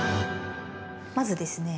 まずですね